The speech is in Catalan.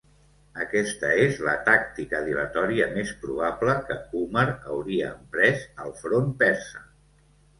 Aquesta és la tàctica dilatòria més probable que Umar hauria emprès al front Persa.